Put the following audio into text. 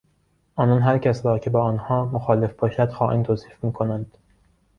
آنان هرکس را که با آنها مخالف باشد خائن توصیف میکنند.